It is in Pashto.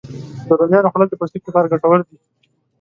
د رومیانو خوړل د پوستکي لپاره ګټور دي